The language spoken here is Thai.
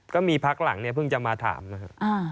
ก็มีพักหลังเนี่ยเพิ่งจะมาถามนะครับ